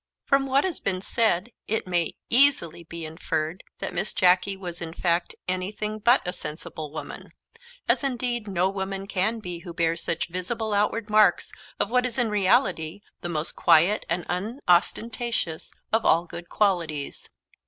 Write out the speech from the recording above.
From what has been said it may easily be inferred that Miss Jacky was in fact anything but a sensible woman; as indeed no woman can be who bears such visible outward marks of what is in reality the most quiet and unostentatious of all good qualities.